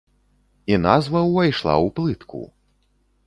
І назва ўвайшла ў плытку!